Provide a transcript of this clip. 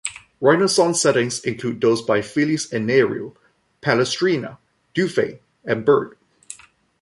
Renaissance settings include those by Felice Anerio, Palestrina, Dufay and Byrd.